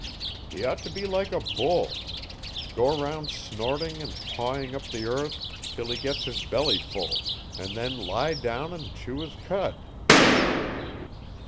He ought to be like a bull go around snorting and pawing up the earth till he gets his belly full, and then lie down and chew his cud."